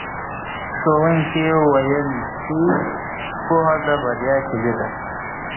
ښوونکي وویل چې پوهه د بریا کیلي ده.